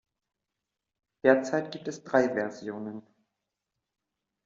Derzeit gibt es drei Versionen.